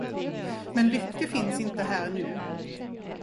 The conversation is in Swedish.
Men Lycke finns inte här nu.